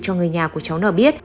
cho người nhà của cháu n biết